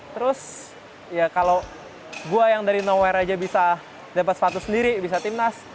terus ya kalau gue yang dari noware aja bisa dapat sepatu sendiri bisa timnas